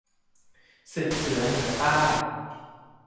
ศึกเสือเหนือใต้